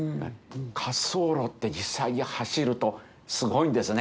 滑走路って実際に走るとすごいんですね。